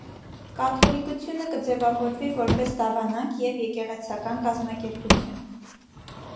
Կաթոլիկութիւնը կը ձեւաւորուի որպէս դաւանանք եւ եկեղեցական կազմակերպութիւն։